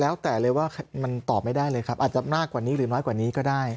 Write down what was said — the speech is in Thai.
แล้วแต่เลยว่ามันตอบไม่ได้เลยครับอาจจะมากกว่านี้หรือน้อยกว่านี้ก็ได้